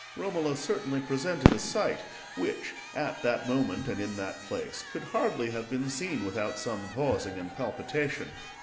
Romola certainly presented a sight which, at, that moment and in that place, could hardly have been seen without some pausing and palpitation.